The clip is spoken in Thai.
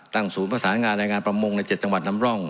ตั้งศูนย์ภาษางานรายงานประมงในเจ็ดจังหวัดนำร่อง